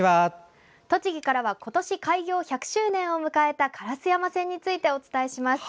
栃木からは今年開業１００周年を迎えた烏山線についてお伝えします。